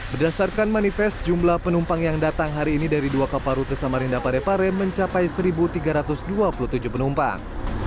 berdasarkan manifest jumlah penumpang yang datang hari ini dari dua kapal rute samarinda parepare mencapai satu tiga ratus dua puluh tujuh penumpang